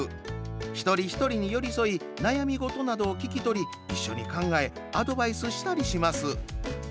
一人一人に寄り添い悩み事などを聞き取り一緒に考えアドバイスしたりします。